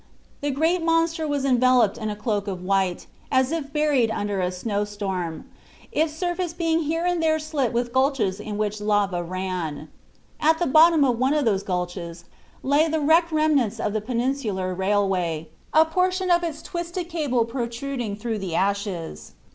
The great monster was enveloped in a cloak of white, as if buried under a snowstorm, its surface being here and there slit with gulches in which lava ran. At the bottom of one of those gulches lay the wrecked remnants of the peninsular railway, a portion of its twisted cable protruding through the ashes.